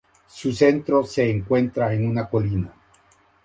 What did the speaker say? Su centro se encuentra en una colina.